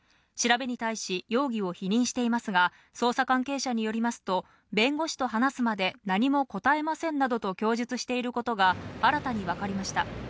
調べに対し、容疑を否認していますが、捜査関係者によりますと、弁護士と話すまで何も答えませんなどと供述していることが新たに分かりました。